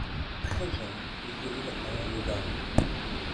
Très jeune, il choisit la carrière des armes.